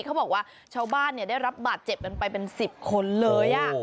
เขาบอกว่าชาวบ้านได้รับบาดเจ็บกันไปเป็น๑๐คนเลย